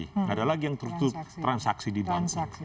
tidak ada lagi yang tertutup transaksi di bangsa